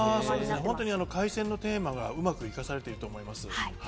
海鮮のテーマがうまく生かされていると思います。